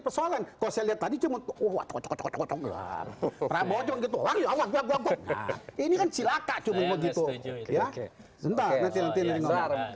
persoalan kok saya lihat tadi cuma tuh waduh waduh waduh waduh ini kan silakan cuma begitu